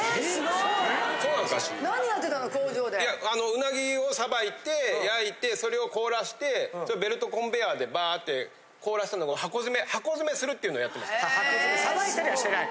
うなぎをさばいて、焼いて、それを凍らせて、ベルトコンベヤーでばーって凍らせたのを箱詰めするっていうのをさばいたりはしてない？